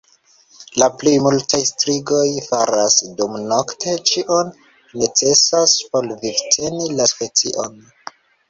La plej multaj strigoj faras dumnokte ĉion necesan por vivteni la specion.